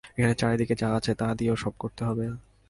এখানে চারদিকে যা আছে তা দিয়েই সব করতে হবে।